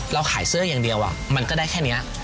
เราขายเสื้ออย่างเดียวมันก็ได้แค่นี้